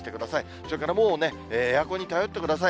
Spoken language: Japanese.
それからもうね、エアコンに頼ってください。